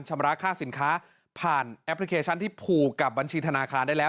ชำระค่าสินค้าผ่านแอปพลิเคชันที่ผูกกับบัญชีธนาคารได้แล้ว